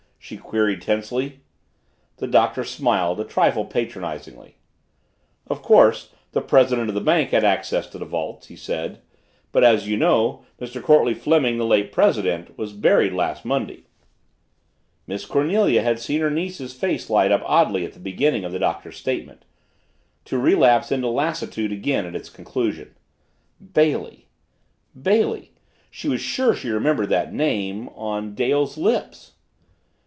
she queried tensely. The Doctor smiled, a trifle patronizingly. "Of course the president of the bank had access to the vaults," he said. "But, as you know, Mr. Courtleigh Fleming, the late president, was buried last Monday." Miss Cornelia had seen her niece's face light up oddly at the beginning of the Doctor's statement to relapse into lassitude again at its conclusion. Bailey Bailey she was sure she remembered that name on Dale's lips.